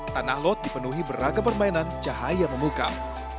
tanah lot dipenuhi beragam permainan cahaya memukam